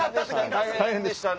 大変でしたね。